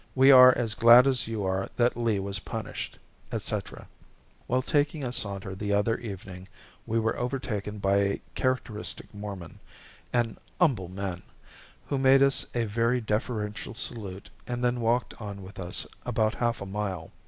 We are as glad as you are that Lee was punished," etc. While taking a saunter the other evening we were overtaken by a characteristic Mormon, "an umble man," who made us a very deferential salute and then walked on with us about half a mile.